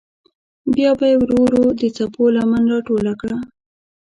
بیا به یې ورو ورو د څپو لمن راټوله کړه.